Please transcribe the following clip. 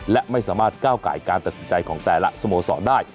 และไม่สามารถก้าวไก่การตัดสินใจของแต่ละสโมสรได้